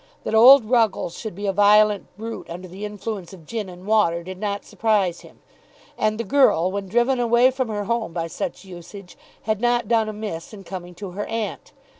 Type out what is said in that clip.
That old Ruggles should be a violent brute under the influence of gin and water did not surprise him. And the girl, when driven away from her home by such usage, had not done amiss in coming to her aunt.